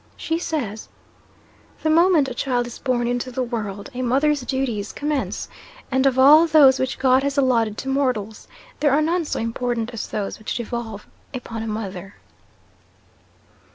She says "The moment a child is born into the world, a mother's duties commence; and of all those which God has allotted to mortals, there are none so important as those which devolve upon a mother.